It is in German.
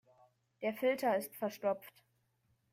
Der Filter ist verstopft.